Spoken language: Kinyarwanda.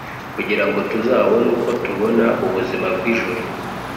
kugira ngo tuzabone uko tubona ubuzima bw’ijuru